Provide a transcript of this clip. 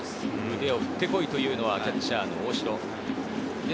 腕を振ってこいというのはキャッチャーの大城。